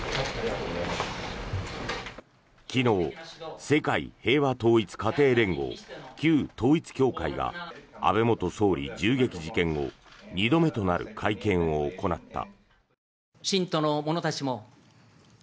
昨日、世界平和統一家庭連合旧統一教会が安倍元総理銃撃事件後２度目となる会見を行った。